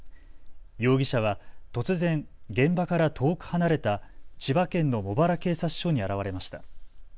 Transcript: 容疑者は突然、現場から遠く離れた千葉県の茂原警察署に現れました。